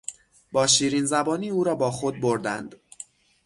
با شیرینزبانی او را با خود بردند.